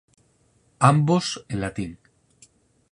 Ambos en latín.